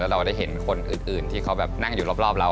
เราได้เห็นคนอื่นที่เขาแบบนั่งอยู่รอบเรา